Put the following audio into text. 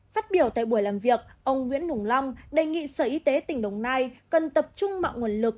phát biểu tại buổi làm việc ông nguyễn hùng long đề nghị sở y tế tỉnh đồng nai cần tập trung mọi nguồn lực